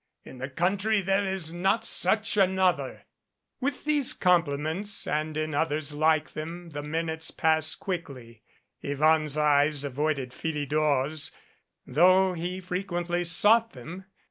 In the country there is not such another !" With these compliments and in others like them the minutes passed quickly. Yvonne's eyes avoided Philidor's, though he frequently sought them.